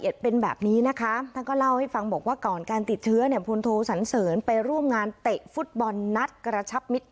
สักสันเสริญไปร่วมงานตะเตะฟุตบอลณัฐกระชับมิตร